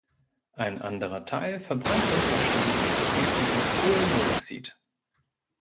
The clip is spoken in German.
Ein anderer Teil verbrennt unvollständig zu giftigem Kohlenmonoxid.